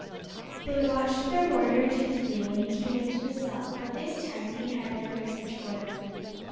They watched their warder attentively when he next came into the cell, but this time he had no message for them.